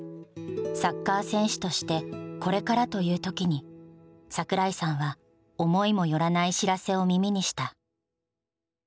サッカー選手として「これから」という時に桜井さんは思いも寄らない知らせを耳にした。